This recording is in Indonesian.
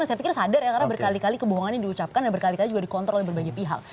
saya pikir sadar ya karena berkali kali kebohongannya diucapkan dan berkali kali juga dikontrol oleh berbagai pihak